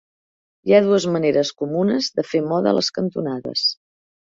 Hi ha dues maneres comunes de fer moda a les cantonades.